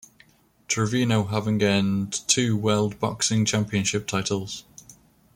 Trevino having earned two World Boxing Championship titles.